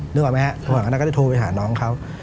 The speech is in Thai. นึกออกไหมฮะโทรหากันได้ก็ได้โทรไปหาน้องเขา